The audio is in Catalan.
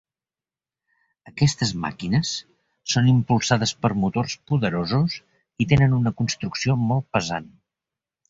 Aquestes màquines són impulsades per motors poderosos i tenen una construcció molt pesant.